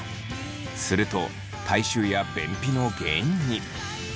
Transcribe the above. すると体臭や便秘の原因に。